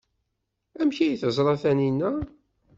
Amek ay teẓra Taninna?